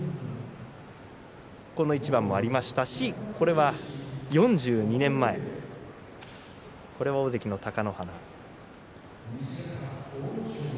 この一番もありましたしこれは４２年前大関貴ノ花。